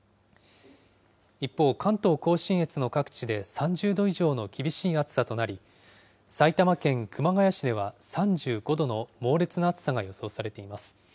一方、関東甲信越の各地で３０度以上の厳しい暑さとなり、埼玉県熊谷市では３５度の猛烈な暑さが予想されています。